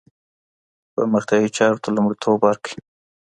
پرمختیايي چارو ته لومړیتوب ورکړئ.